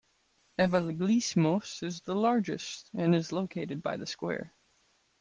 "Evagelismos" is the largest and is located by the square.